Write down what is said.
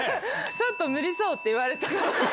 ちょっと無理そうって言われた。